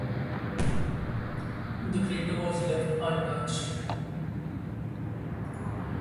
The crater was left untouched.